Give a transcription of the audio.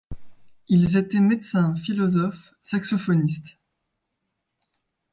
Ils étaient médecin, philosophe, saxophoniste...